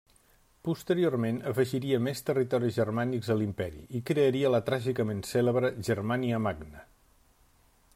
Posteriorment afegiria més territoris germànics a l'Imperi i crearia la tràgicament cèlebre Germania Magna.